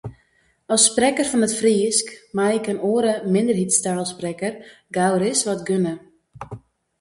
As sprekker fan it Frysk mei ik in oare minderheidstaalsprekker gauris wat gunne.